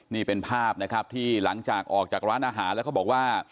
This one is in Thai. นี่เป็นภาพนะครับที่หลังจากออกจากร้านอาหารแล้วเขาบอกว่า